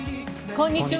こんにちは。